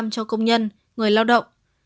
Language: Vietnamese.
một trăm linh cho công nhân người lao động